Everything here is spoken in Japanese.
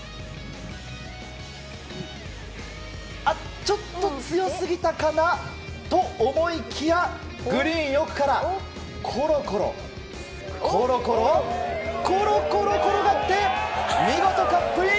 ちょっと強すぎたかなと思いきやグリーン奥からコロコロコロコロ転がって見事カップイン！